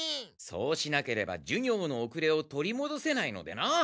そうしなければ授業のおくれを取りもどせないのでな。